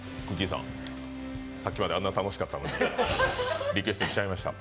さん、さっきまであんなに楽しかったのにリクエスト来てしまいました。